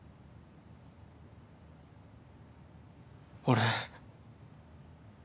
俺。